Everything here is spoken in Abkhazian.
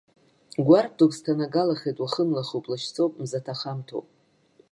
Гәарԥ дук сҭанагалахит, уахынлахуп, лашьцоуп, мза-ҭахамҭоуп.